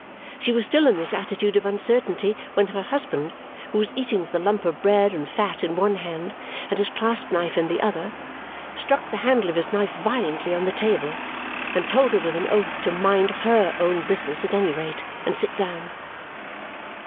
She was still in this attitude of uncertainty when her husband, who was eating with a lump of bread and fat in one hand and his clasp knife in the other, struck the handle of his knife violently on the table and told her with an oath to mind HER own business at any rate and sit down.